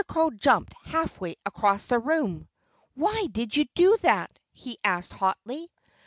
Crow jumped half way across the room. "Why did you do that?" he asked hotly.